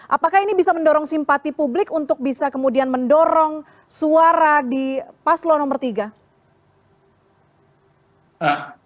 apakah ini bisa mendorong simpati publik untuk bisa kemudian mendorong suara di paslo nomor tiga